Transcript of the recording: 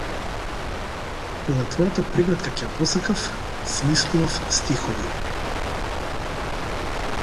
Кога твојата прегратка ќе ја посакав, смислував стихови.